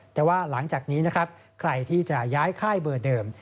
แต่ว่าหลังจากนี้นะครับใครที่จะย้ายค่ายเบอร์เดิม